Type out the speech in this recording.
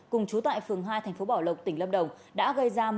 cùng chú tại phường hai tp bảo lộc tỉnh lâm đồng